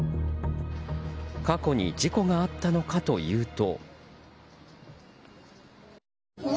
過去に事故があったのかというと。